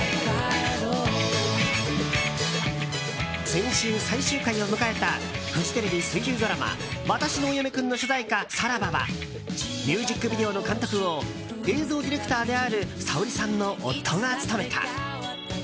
先週、最終回を迎えたフジテレビ水１０ドラマ「わたしのお嫁くん」の主題歌「サラバ」はミュージックビデオの監督を映像ディレクターであるＳａｏｒｉさんの夫が務めた。